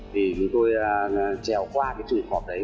thì chúng tôi chèo qua cái trùng cọp đấy